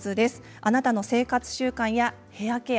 あなたの生活習慣やヘアケア